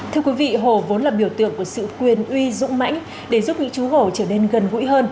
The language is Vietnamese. thưa quý vị hồ vốn là biểu tượng của sự quyền uy dũng mãnh để giúp những chú hồ trở nên gần gũi hơn